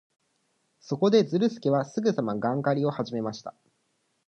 そこで、ズルスケはすぐさまガン狩りをはじめました。